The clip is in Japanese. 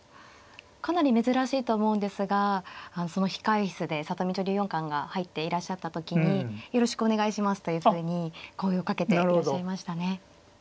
かなり珍しいと思うんですがその控え室で里見女流四冠が入っていらっしゃった時によろしくお願いしますというふうに声をかけていらっしゃいましたね。